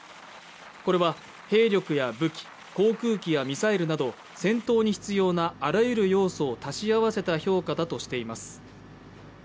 これは兵力や武器航空機やミサイルなど戦闘に必要なあらゆる要素を足し合わせた評価だとしています